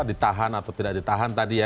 ditahan atau tidak ditahan tadi ya